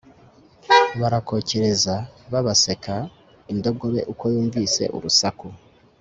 barakokereza babaseka. indogobe uko yakumvise urusaku